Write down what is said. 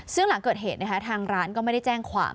ซึ่งหลังเกิดเหตุนะคะทางร้านก็ไม่ได้แจ้งความ